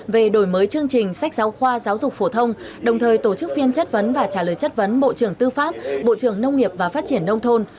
về đổi mới chương trình sách giáo khoa giáo dục phổ thông đồng thời tổ chức phiên chất vấn và trả lời chất vấn bộ trưởng tư pháp bộ trưởng nông nghiệp và phát triển nông thôn